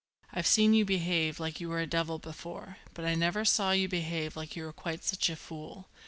"I've seen you behave like you were a devil before, but I never saw you behave like you were quite such a fool.